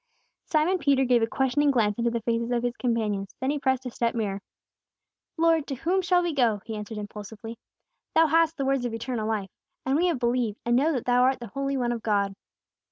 Simon Peter gave a questioning glance into the faces of his companions; then he pressed a step nearer. "Lord, to whom shall we go?" he answered impulsively. "Thou hast the words of eternal life. And we have believed, and know that Thou art the Holy One of God."